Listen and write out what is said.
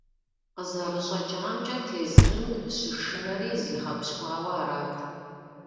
КъызэрыщӀэкӀамкӀэ, тезырым щышынэри зигъэпщкӀуауэ арат.